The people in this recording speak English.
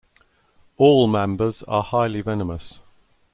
All mambas are highly venomous.